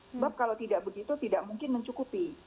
sebab kalau tidak begitu tidak mungkin mencukupi